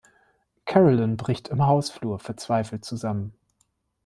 Carolyn bricht im Hausflur verzweifelt zusammen.